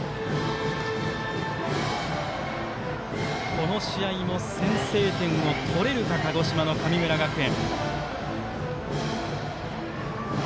この試合、先制点を取れるか鹿児島の神村学園。